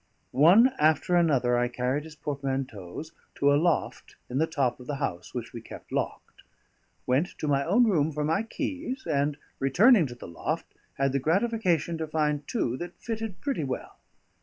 One after another I carried his portmanteaus to a loft in the top of the house which we kept locked; went to my own room for my keys, and, returning to the loft, had the gratification to find two that fitted pretty well.